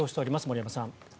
森山さん。